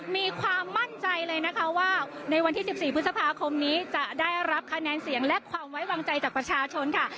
มีความมั่นใจเลยนะคะว่าในวันที่๑๔พฤษภาคมนี้จะได้รับคะแนนเสียงและความไว้วางใจจากประชาชนค่ะ